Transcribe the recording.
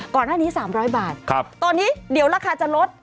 ก่อนหน้านี้๓๐๐บาทตอนนี้เดี๋ยวราคาจะลด